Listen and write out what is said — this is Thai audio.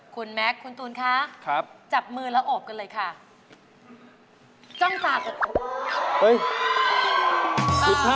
คุณแม็กซ์คุณตูนคะครับจับมือแล้วโอบกันเลยค่ะจ้องตา